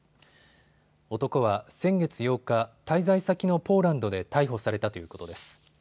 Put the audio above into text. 男は先月８日、滞在先のポーランドで逮捕されたということです。